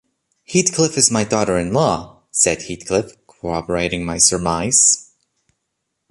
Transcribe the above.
Heathcliff is my daughter-in-law,’ said Heathcliff, corroborating my surmise.